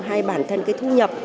hay bản thân cái thu nhập